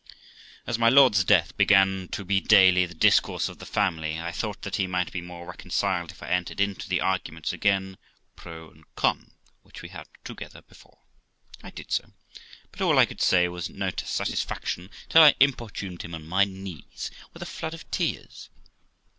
As my lord's death began to be daily the discourse of the family, I thought that he might be more reconciled if I entered into the arguments again, pro and con, which we had together before. I did so, but all I could say was no satisfaction, till I importuned him on my knees, with a flood of tears.